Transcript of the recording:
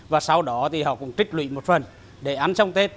và sau đó thì họ cũng trích lụy một phần để ăn trong tết